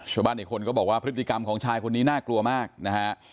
ชาวบ้านอีกคนก็บอกว่าพฤติกรรมของชายคนนี้น่ากลัวมากนะฮะ